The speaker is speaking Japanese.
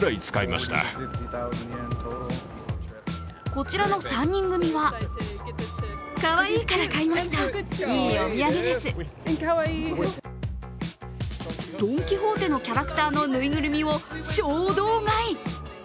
こちらの３人組はドン・キホーテのキャラクターのぬいぐるみを衝動買い。